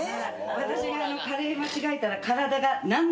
私がカレー間違えたら体が「何でだよ」